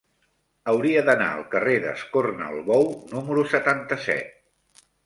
Hauria d'anar al carrer d'Escornalbou número setanta-set.